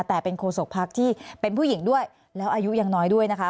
แต่เป็นโคศกภักดิ์ที่เป็นผู้หญิงด้วยแล้วอายุยังน้อยด้วยนะคะ